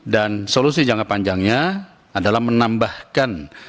dan solusi jangka panjangnya adalah menambahkan